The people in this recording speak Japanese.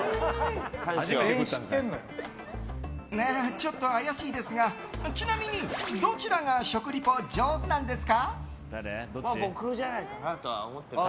ちょっと怪しいですがちなみにどちらが食リポ上手なんですか？